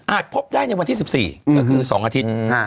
พบได้ในวันที่๑๔ก็คือ๒อาทิตย์